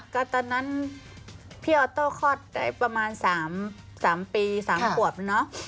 ก็ตอนนั้นพี่ออโต้คลอดได้ประมาณ๓ปี๓ขวบเนอะ